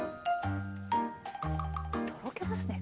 とろけますね